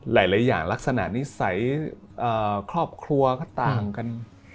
หลายอย่างลักษณะนิสัยครอบครัวก็ต่างกัน